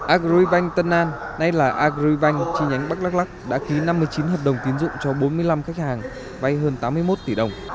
agribank tân an nay là agribank chi nhánh bắc đắk lắc đã ký năm mươi chín hợp đồng tiến dụng cho bốn mươi năm khách hàng vay hơn tám mươi một tỷ đồng